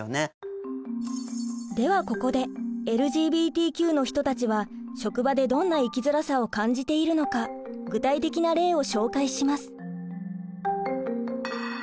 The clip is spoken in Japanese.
ではここでＬＧＢＴＱの人たちは職場でどんな生きづらさを感じているのか具体的な例を紹介します。